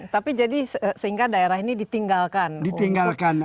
tapi jadi sehingga daerah ini ditinggalkan untuk